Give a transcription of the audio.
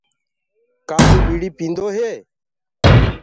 ڪآ تو ٻيڙي پيندو هي؟